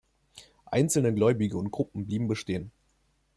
Einzelne Gläubige und Gruppen blieben bestehen.